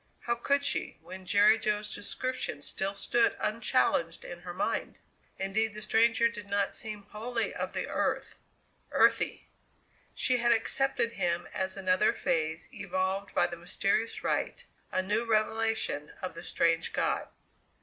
How could she, when Jerry Jo's description still stood unchallenged in her mind? Indeed, the stranger did not seem wholly of the earth, earthy. She had accepted him as another phase evolved by the mysterious rite a new revelation of the strange god.